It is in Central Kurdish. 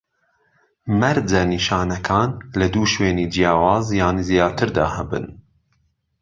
مەرجە نیشانەکان لە دوو شوێنی جیاواز یان زیاتر دا هەبن